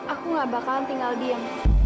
aku gak bakalan tinggal diem